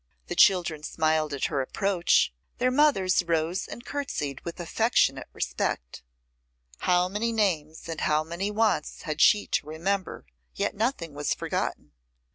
The children smiled at her approach; their mothers rose and courtesied with affectionate respect. How many names and how many wants had she to remember! yet nothing was forgotten.